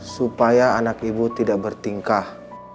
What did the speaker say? supaya anak ibu tidak bertingkah